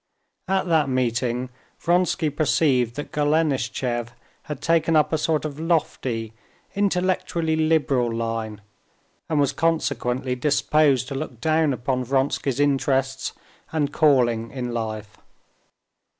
At that meeting Vronsky perceived that Golenishtchev had taken up a sort of lofty, intellectually liberal line, and was consequently disposed to look down upon Vronsky's interests and calling in life.